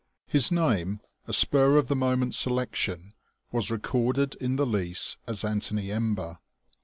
His name, a spur of the moment selection, was recorded in the lease as Anthony Ember.